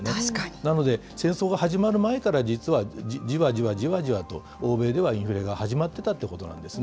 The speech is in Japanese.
なので、戦争が始まる前から、実はじわじわじわじわと欧米ではインフレが始まってたってことなんですね。